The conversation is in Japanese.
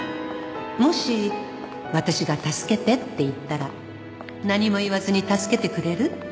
「もし私が“助けて”って言ったら何も言わずに助けてくれる？」